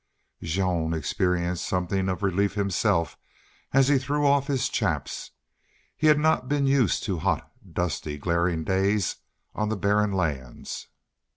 Jean experienced something of relief himself as he threw off his chaps. He had not been used to hot, dusty, glaring days on the barren lands.